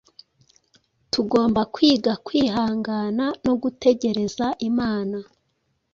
Tugomba kwiga kwihangana no gutegereza Imana,